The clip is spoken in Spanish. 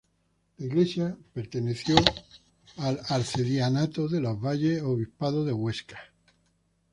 La iglesia perteneció al arcedianato de los valles, obispado de Huesca.